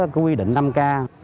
quy định năm k